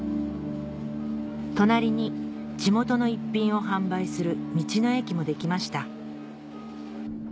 隣に地元の逸品を販売する道の駅も出来ました